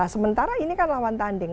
sementara ini kan lawan tanding